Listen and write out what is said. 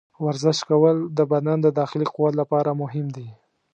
ورزش کول د بدن د داخلي قوت لپاره مهم دي.